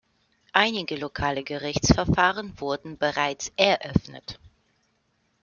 Einige lokale Gerichtsverfahren wurden bereits eröffnet.